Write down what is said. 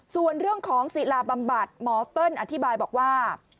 ส่วนเรื่องของศิลาบำบัดหมอเติ้ลอธิบายบอกว่า